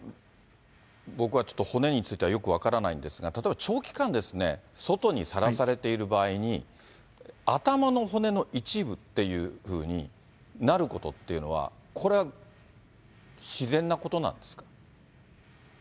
僕はちょっと骨についてはよく分からないんですが、例えば長期間、外にさらされている場合に、頭の骨の一部っていうふうになることっていうのは、これは自然なことなんですか。